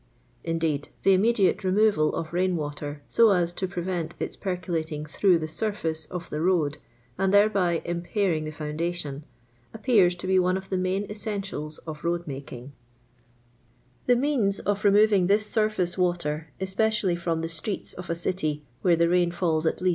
Indeed the imme diate removal of rain water, so ns to prevent i*.s percolating through the surface of the road, ar.i thor.l.y impairing the foundation. apj)ear8 to li* one of the main essentials of road makintj. The means of removing this surface waf r, especially from the streets of a city where tli rain falls at lea.